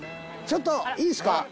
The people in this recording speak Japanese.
ちょっといいっすか？